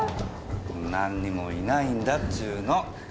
何にもいないんだっちゅうの。